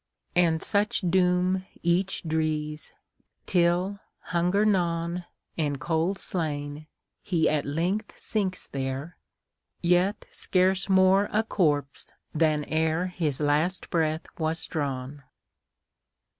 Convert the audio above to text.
And such doom each drees, Till, hunger gnawn, And cold slain, he at length sinks there, Yet scarce more a corpse than ereHis last breath was drawn.